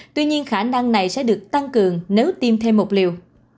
tuy nhiên khả năng này sẽ được tăng cường nếu tiêm thêm một liều